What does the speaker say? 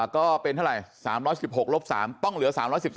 ก็เป็นเท่าไหร่๓๑๖ลบ๓ต้องเหลือ๓๑๓